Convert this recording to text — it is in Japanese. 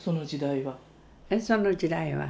その時代は。